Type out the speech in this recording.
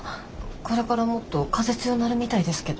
これからもっと風強なるみたいですけど。